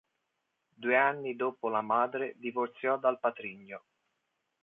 Due anni dopo la madre divorziò dal patrigno.